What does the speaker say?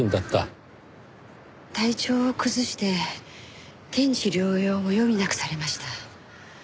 体調を崩して転地療養を余儀なくされました。